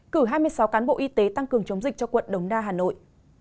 cử hai mươi sáu cán bộ y tế tăng cường chống dịch cho quận đống đa hà nội